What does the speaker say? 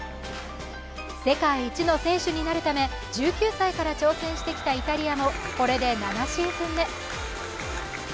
世界一の選手になるため１９歳から挑戦してきたイタリアもこれで７シーズン目。